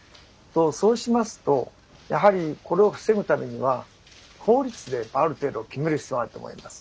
そうしますとやはりこれを防ぐためには法律である程度決める必要があると思います。